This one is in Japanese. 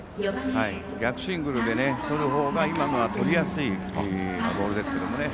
逆シングルでとる方が今のはとりやすいボールですけど。